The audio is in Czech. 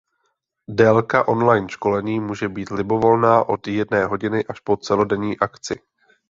Délka online školení může být libovolná od jedné hodiny až po celodenní akci.